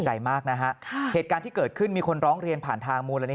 ใจมากนะฮะค่ะเหตุการณ์ที่เกิดขึ้นมีคนร้องเรียนผ่านทางมูลนิ